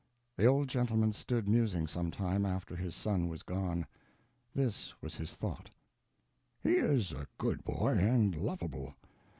The old gentleman stood musing some time, after his son was gone. This was his thought: "He is a good boy, and lovable.